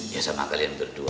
ya sama kalian berdua